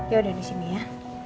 ya udah di sini ya